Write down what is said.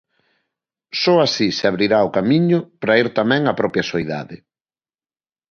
Só así se abrirá o camiño para ir tamén á propia soidade.